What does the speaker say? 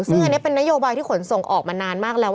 ซึ่งอันนี้เป็นนโยบายที่ขนส่งออกมานานมากแล้ว